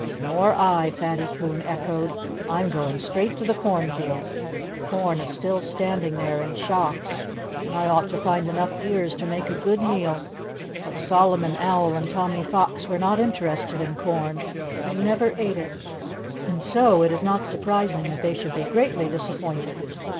"Nor I!" Fatty Coon echoed. "I'm going straight to the cornfield. The corn is still standing there in shocks; and I ought to find enough ears to make a good meal." But Solomon Owl and Tommy Fox were not interested in corn. They never ate it. And so it is not surprising that they should be greatly disappointed.